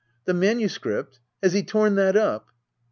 ] The manuscript } Has he torn that up?